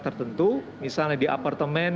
tertentu misalnya di apartemen